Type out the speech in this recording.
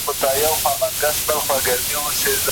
پر دې ستړو رباتونو کاروانونه به ورکیږي